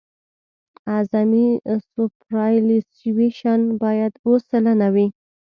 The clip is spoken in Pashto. اعظمي سوپرایلیویشن باید اوه سلنه وي